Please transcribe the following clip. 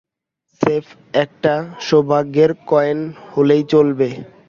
স্রেফ একটা সৌভাগ্যের কয়েন হলেই চলবে।